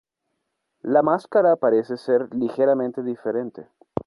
La máscara parece ser ligeramente diferente.